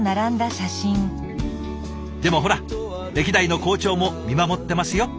でもほら歴代の校長も見守ってますよ。